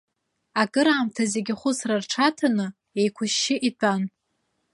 Акыраамҭа зегьы ахәыцра рҽаҭаны еиқәышьшьы итәан.